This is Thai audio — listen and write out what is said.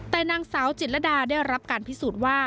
แต่นางสาวจิตรดาได้รับการพิสูจน์ว่า